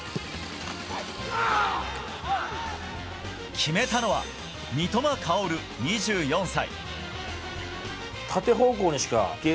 決めたのは三笘薫、２４歳。